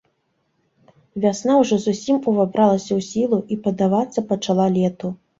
Вясна ўжо зусім увабралася ў сілу і паддавацца пачала лету.